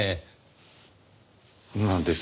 なんです？